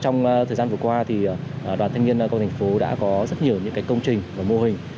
trong thời gian vừa qua thì đoàn thanh niên công thành phố đã có rất nhiều những công trình và mô hình